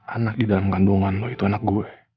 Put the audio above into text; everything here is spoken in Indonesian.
anak didalam kandungan lu itu anak gua